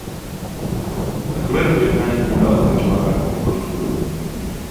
Takovéto jednání bývá označováno jako obchod s chudobou.